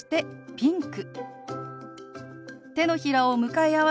「ピンク」。